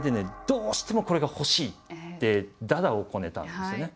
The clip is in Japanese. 「どうしてもこれが欲しい」ってだだをこねたんですよね。